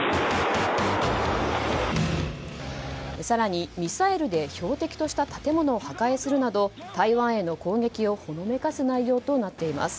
更に、ミサイルで標的とした建物を破壊するなど台湾への攻撃をほのめかす内容となっています。